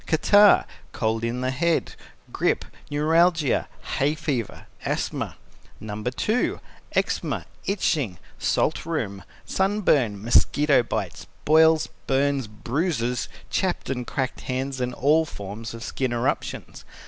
Catarrh, cold in the head, grip, neuralgia, hay fever, asthma. No. 2. Eczema, itching, salt rheum, sunburn, mosquito bites, boils, burns, bruises, chapped and cracked hands, and all forms of skin eruptions.